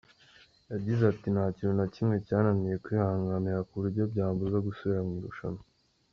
Yagize ati “Nta kintu na kimwe cyananiye kwihanganira ku buryo byambuza gusubira mu irushanwa.